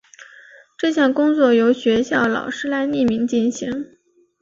这项工作由学校老师来匿名进行。